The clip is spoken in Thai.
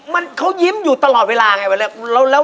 มันเขายิ้มอยู่ตลอดเวลาไงวันนี้